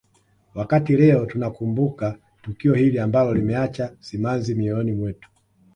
Wakati leo tunakumbuka tukio hili ambalo limeacha simanzi mioyoni mwetu